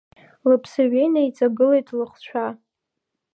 Лыԥсы ҩеины иҵагылеит лыхәцәа.